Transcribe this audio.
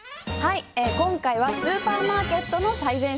今回はスーパーマーケットの最前線。